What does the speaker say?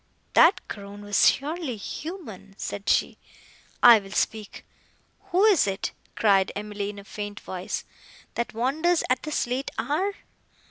"That groan was surely human!" said she. "I will speak." "Who is it," cried Emily in a faint voice, "that wanders at this late hour?"